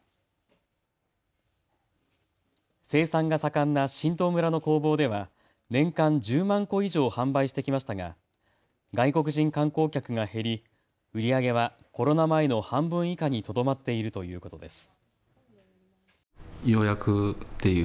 生産がさかんな榛東村の工房では年間１０万個以上、販売してきましたが外国人観光客が減り売り上げはコロナ前の半分以下にとどまっているということです。